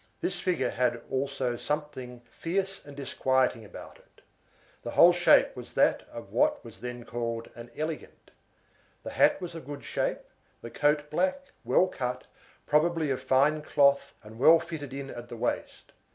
This figure had also something fierce and disquieting about it, the whole shape was that of what was then called an elegant; the hat was of good shape, the coat black, well cut, probably of fine cloth, and well fitted in at the waist.